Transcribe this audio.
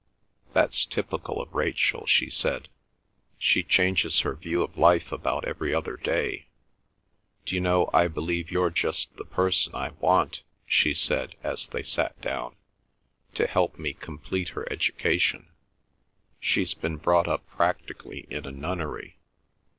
"That's typical of Rachel," she said. "She changes her view of life about every other day. D'you know, I believe you're just the person I want," she said, as they sat down, "to help me complete her education? She's been brought up practically in a nunnery.